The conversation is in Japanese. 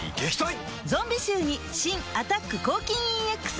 ゾンビ臭に新「アタック抗菌ＥＸ」